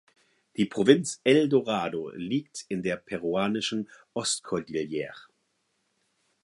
Die Provinz El Dorado liegt in der peruanischen Ostkordillere.